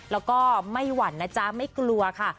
แล้วก็ไม่หวั่นนะจ๊ะไม่กลัวค่ะ